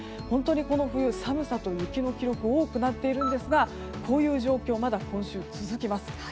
本当にこの冬、寒さと雪の記録が多くなっているんですがこういう状況はまだ今週続きます。